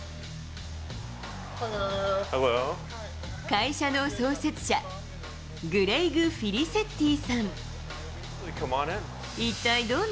会社の創設者、グレイグ・フィリセッティさん。